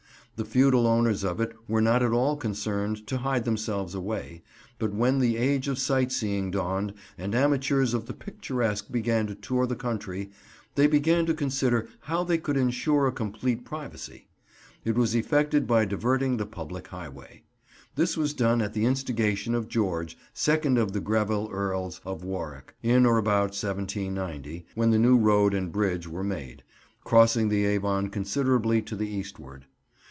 The feudal owners of it were not at all concerned to hide themselves away, but when the age of sight seeing dawned and amateurs of the picturesque began to tour the country, they began to consider how they could ensure a complete privacy. It was effected by diverting the public highway. This was done at the instigation of George, second of the Greville Earls of Warwick, in or about 1790, when the new road and bridge were made, crossing the Avon considerably to the eastward.